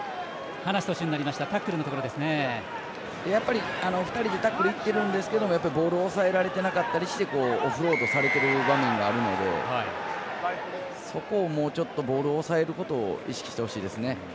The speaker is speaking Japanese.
やっぱり２人でタックルにいってるんですけどボールを押さえられてなかったりしてオフロードされてる場面があるのでそこをもうちょっとボール押さえることを意識してほしいですね。